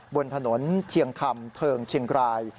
บนถนนเชียงคำเทิงเชียงราย